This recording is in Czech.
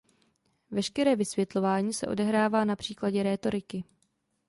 Veškeré vysvětlování se odehrává na příkladě rétoriky.